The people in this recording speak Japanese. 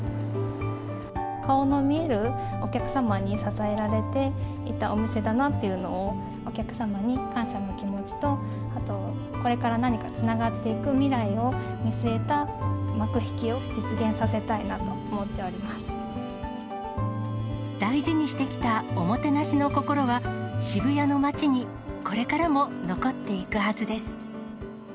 顔の見えるお客様に支えられていたお店だなっていうのを、お客様に感謝の気持ちと、あと、これから何かつながっていく未来を見据えた幕引きを実現させたい大事にしてきたおもてなしの心は、渋谷の街にこれからも残っていくはずです。